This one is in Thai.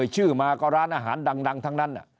ชื่อมาก็ร้านอาหารดังทั้งนั้น